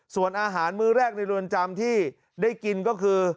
ส่วนอาหารมื้อแรกในเรือนจำที่ได้กินก็คือ